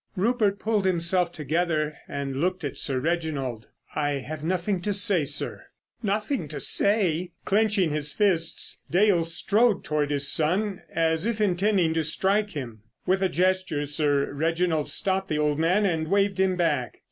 Rupert pulled himself together and looked at Sir Reginald. "I have nothing to say, sir." "Nothing to say!" Clenching his fists Dale strode towards his son as if intending to strike him. With a gesture Sir Reginald stopped the old man and waved him back.